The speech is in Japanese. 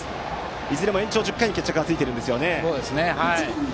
いずれも延長１０回に決着がついているんですよね。